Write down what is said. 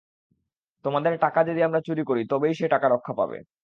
তোমাদের টাকা যদি আমরা চুরি করি তবেই সে টাকা রক্ষা পাবে।